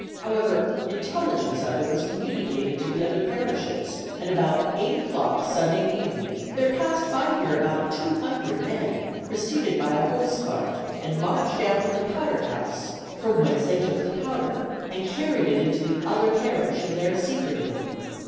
However, intelligence of it was communicated to the other parishes, and about eight o'clock Sunday evening there passed by here about two hundred men, preceded by a horsecart, and marched down to the powder house, from whence they took the powder, and carried it into the other parish and there secreted it.